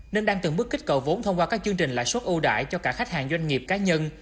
nên đang từng bước kích cầu vốn thông qua các chương trình lãi suất ưu đãi cho cả khách hàng doanh nghiệp cá nhân